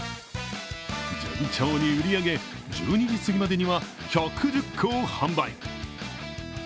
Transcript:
順調に売り上げ、１２時すぎまでには１１０個を販売。